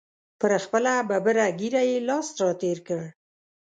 پر خپله ببره ږیره یې لاس را تېر کړ.